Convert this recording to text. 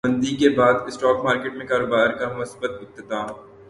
مندی کے بعد اسٹاک مارکیٹ میں کاروبار کا مثبت اختتام